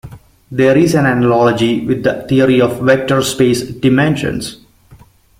There is an analogy with the theory of vector space dimensions.